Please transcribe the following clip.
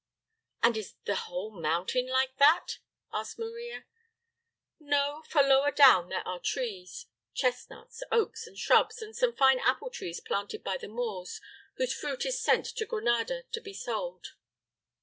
"And is the whole mountain like that?" asked Maria. "No, for lower down there are trees, chestnuts, oaks and shrubs, and some fine apple trees planted by the Moors, whose fruit is sent to Granada to be sold."